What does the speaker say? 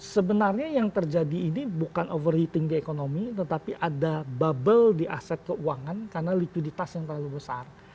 sebenarnya yang terjadi ini bukan overheating di ekonomi tetapi ada bubble di aset keuangan karena likuiditas yang terlalu besar